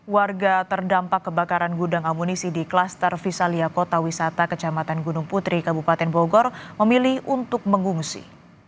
warga terdampak kebakaran gudang amunisi di klaster visalia kota wisata kecamatan gunung putri kabupaten bogor memilih untuk mengungsi